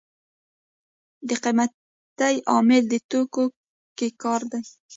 د قیمتۍ عامل په توکو کې کار دی.